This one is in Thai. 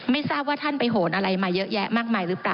ไม่ทราบว่าท่านไปโหนอะไรมาเยอะแยะมากมายหรือเปล่า